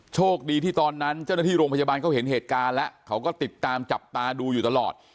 โชคดีที่ตอนนั้นเจ้าหน้าที่โรงพยาบาลเขาเห็นเหตุการณ์แล้วเขาก็ติดตามจับตาดูอยู่ตลอด